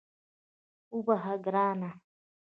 وبخښه ګرانه